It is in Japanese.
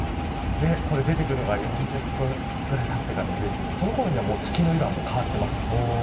出てくるのは４０分ぐらいたってから出てくるのでそのころには月の色が変わっています。